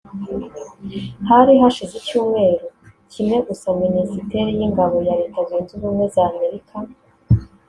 Hari hasize icyumweru kimwe gusa Minisiteri y'Ingabo ya Leta Zunze Ubumwe za Amerika